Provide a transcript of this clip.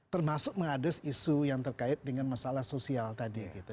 termasuk mengades isu yang terkait dengan masalah sosial tadi gitu